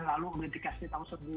lalu sudah dikasih tahu sebetulnya